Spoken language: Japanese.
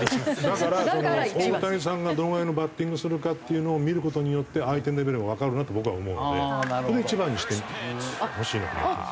だから大谷さんがどのぐらいのバッティングするかっていうのを見る事によって相手のレベルがわかるなと僕は思うのでそれで１番にしてほしいなと思ってます。